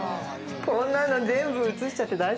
こんなの全部映しちゃって大丈夫かな？